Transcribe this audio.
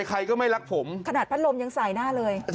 ใครก็ไม่รักผมขนาดพัดลมยังใส่หน้าเลย